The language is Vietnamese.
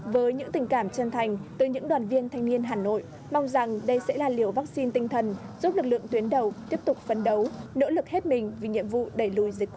với những tình cảm chân thành từ những đoàn viên thanh niên hà nội mong rằng đây sẽ là liều vaccine tinh thần giúp lực lượng tuyến đầu tiếp tục phấn đấu nỗ lực hết mình vì nhiệm vụ đẩy lùi dịch covid một mươi chín